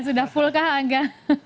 sudah full kah angga